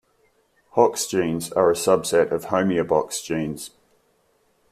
Hox genes are a subset of homeobox genes.